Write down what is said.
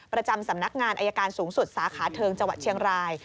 ประจำสำนักงานอายการสูงสุดสาขาเทิงจังหวัดเชียงราย